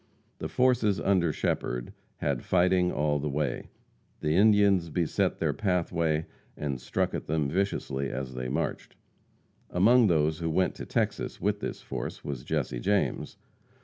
The forces under Shepherd had fighting all the way. The Indians beset their pathway and struck at them viciously as they marched. Among those who went to Texas with this force was Jesse James.